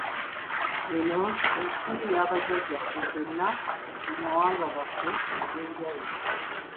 Eno ensi ya bajjajjaffe ffenna mu mawanga gaffe ag’enjawulo.